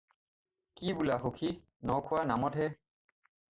কি বোলা সখি? ন-খোৱা নামতহে।